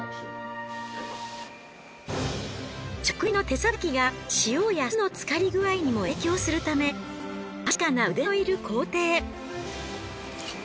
職人の手さばきが塩や酢の漬かり具合にも影響するため確かな腕のいる工程。